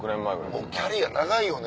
もうキャリア長いよね。